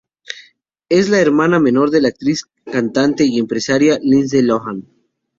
Es la hermana menor de la actriz, cantante y empresaria Lindsay Lohan.